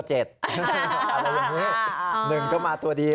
อะไรอย่างนี้๑ก็มาตัวเดียว